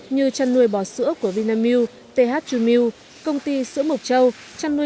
như chăn nuôi bò sữa của vinamilk thg mill công ty sữa mộc châu